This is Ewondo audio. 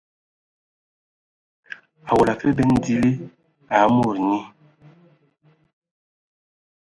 Awɔla afe bɛn dili a mod nyi.